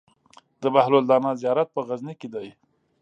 د بهلول دانا زيارت په غزنی کی دی